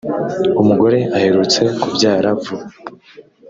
umugore aherutse kubyara vuba